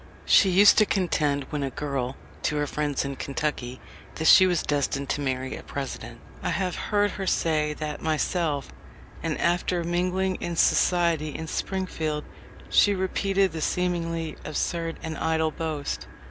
She used to contend when a girl, to her friends in Kentucky, that she was destined to marry a President. I have heard her say that myself, and after mingling in society in Springfield she repeated the seemingly absurd and idle boast.